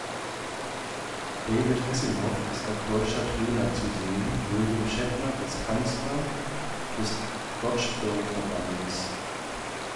David Hasselhoff ist als deutscher Trainer zu sehen, William Shatner als Kanzler des Dodgeball-Verbandes.